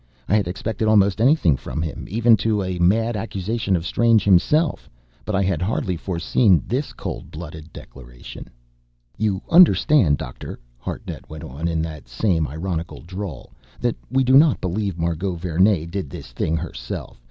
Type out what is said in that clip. I had expected almost anything from him, even to a mad accusation of Strange himself. But I had hardly foreseen this cold blooded declaration. "You understand, Doctor," Hartnett went on, in that same ironical drawl, "that we do not believe Margot Vernee did this thing herself.